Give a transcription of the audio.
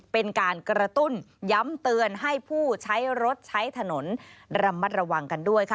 เป็นการกระตุ้นย้ำเตือนให้ผู้ใช้รถใช้ถนนระมัดระวังกันด้วยค่ะ